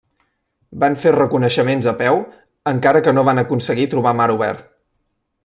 Van fer reconeixements a peu encara que no van aconseguir trobar mar obert.